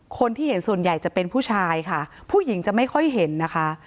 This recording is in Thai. คนที่เห็นส่วนใหญ่จะเป็นผู้ชายค่ะผู้หญิงจะไม่ค่อยเห็นนะคะ